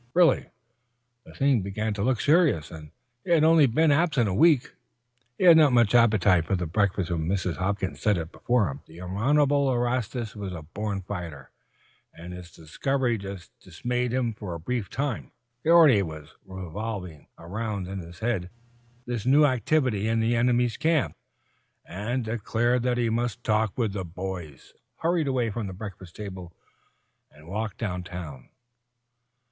Really, the thing began to look serious. And he had only been absent a week! He had not much appetite for breakfast when Mrs. Hopkins set it before him. But the Honorable Erastus was a born fighter, and his discovery had only dismayed him for a brief time. Already he was revolving ways of contesting this new activity in the enemy's camp, and decided that he must talk with "the boys" at once. So he hurried away from the breakfast table and walked down town.